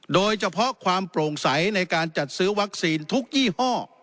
โดยเฉพาะความโปร่งใสในการจัดซื้อวัคซีนทุกยี่ห้อ